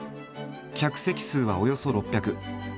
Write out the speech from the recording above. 客席数はおよそ６００。